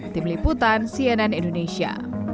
tim liputan cnn indonesia